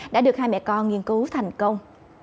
đã được hai mẹ con nghiên cứu thành công